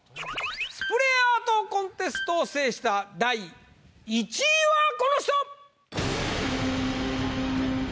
スプレーアートコンテストを制した第１位はこの人！